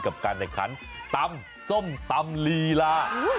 กับการแข่งขันตำส้มตำลีลา